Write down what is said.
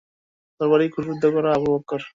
তরবারি কোষবদ্ধ কর আবু বকর।